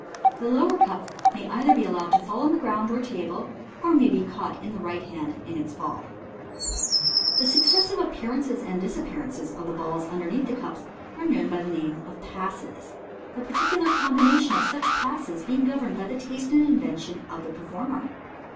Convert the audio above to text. The lower cup may either be allowed to fall on the ground or table, or may be caught by the right hand in its falL 278 MODERN MAGIC, The successive appearances and disappearances of the balls under neath the cups are known by the name of *' Passes 3" the particular combination of such passes being governed by the taste and invention of the performer.